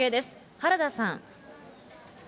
原田さん。